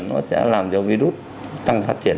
nó sẽ làm cho virus tăng phát triển